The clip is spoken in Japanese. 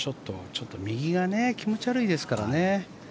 ちょっと右が気持ち悪いですからね。